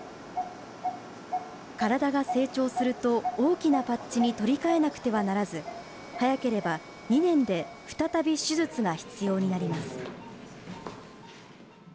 体が成長すると大きなパッチに取り替えなくてはならず、早ければ２年で再び手術が必要になります。